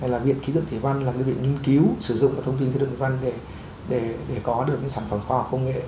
hay là viện khí tượng thủy văn là cái viện nghiên cứu sử dụng thông tin thủy văn để có được sản phẩm khoa học công nghệ